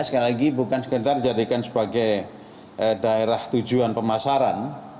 sekali lagi bukan sekedar dijadikan sebagai daerah tujuan pemasaran